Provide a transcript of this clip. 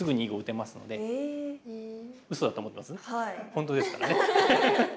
本当ですからね。